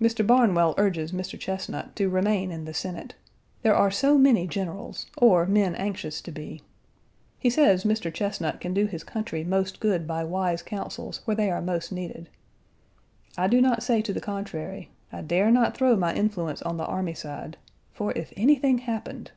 Mr. Barnwell urges Mr. Chesnut to remain in the Senate. There are so many generals, or men anxious to be. He says Mr. Chesnut can do his country most good by wise counsels where they are most needed. I do not say to the contrary; I dare not throw my influence on the army side, for if anything happened!